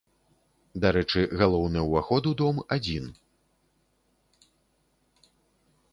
Дарэчы, галоўны ўваход у дом адзін.